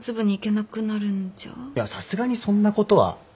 いやさすがにそんなことは。